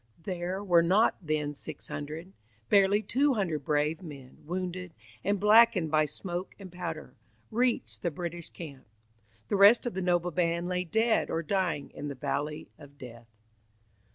there were not then six hundred. Barely two hundred brave men, wounded, and blackened by smoke and powder, reached the British camp. The rest of the noble band lay dead or dying in the valley of Death.